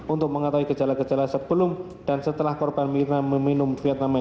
untuk mengetahui gejala gejala sebelum dan setelah korban mirna meminum vietnam